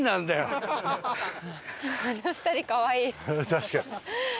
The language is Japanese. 確かに。